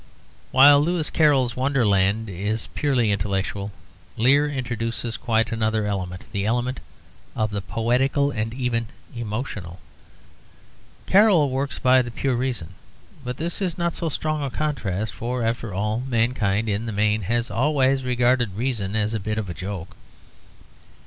While Lewis Carroll's Wonderland is purely intellectual, Lear introduces quite another element the element of the poetical and even emotional. Carroll works by the pure reason, but this is not so strong a contrast; for, after all, mankind in the main has always regarded reason as a bit of a joke.